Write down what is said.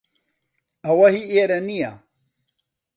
ئەوە هی ئێرە نییە.